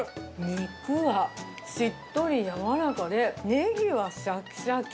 肉はしっとりやわらかで、ネギはしゃきしゃき。